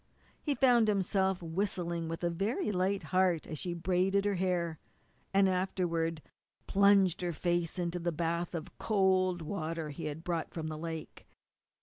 He found himself whistling with a very light heart as she braided her hair, and afterward plunged her face in a bath of cold water he had brought from the lake.